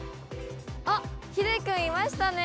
あっ秀くんいましたね！